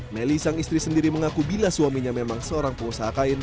melly sang istri sendiri mengaku bila suaminya memang seorang pengusaha kain